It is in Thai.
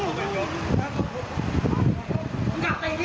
เอาเป็นอะไร